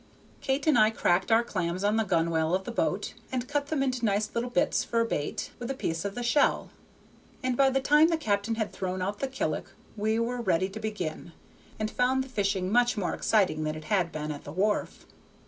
Kate and I cracked our clams on the gunwale of the boat, and cut them into nice little bits for bait with a piece of the shell, and by the time the captain had thrown out the killick we were ready to begin, and found the fishing much more exciting than it had been at the wharf.